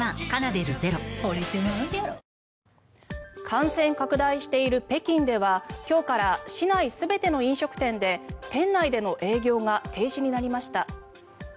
感染拡大している北京では今日から市内全ての飲食店で店内での営業が停止になりました。